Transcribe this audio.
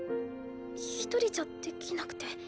一人じゃできなくて。